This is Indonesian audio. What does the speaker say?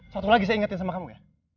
satu lagi saya ingetin sama kamu ya